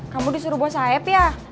kamu disuruh buat sayap ya